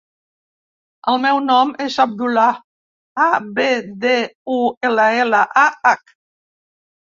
El meu nom és Abdullah: a, be, de, u, ela, ela, a, hac.